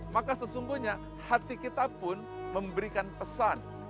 maka sesungguhnya hati kita pun memberikan pesan